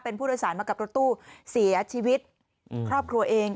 เป็นผู้โดยสารมากับรถตู้เสียชีวิตครอบครัวเอง